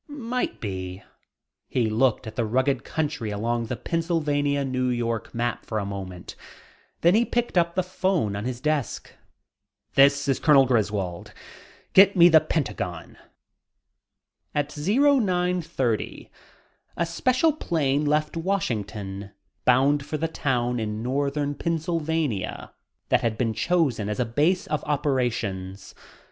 "Might be." He looked at the rugged country along the Pennsylvania, New York map for a moment, then he picked up the phone on his desk. "This is Colonel Griswold. Get me the Pentagon." At 0930 a special plane left Washington, bound for the town in northern Pennsylvania that had been chosen as a base of operations.